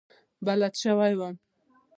بلد شوی وم.